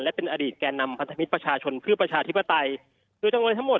และเป็นอดีตแก่นำพันธมิตรประชาชนเพื่อประชาธิปไตย